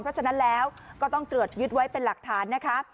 เพราะฉะนั้นแล้วก็ต้องตรวจยึดไว้เป็นหลักฐานนะคะ